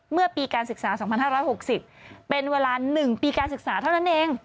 เมื่อปีการศึกษา๒๕๖๐เป็นเวลา๑ปีการศึกษาเท่านั้นเอง